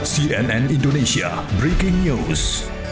cnn indonesia breaking news